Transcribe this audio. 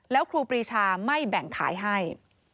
แล้วครูปรีชาไม่แบ่งขายให้